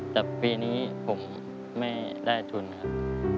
แต่ปีนี้ผมไม่ได้ทุนครับ